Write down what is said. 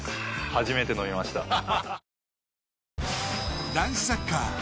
初めて飲みました。ハハハ！